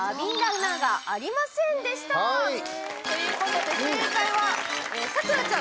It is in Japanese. ということで正解は咲楽ちゃん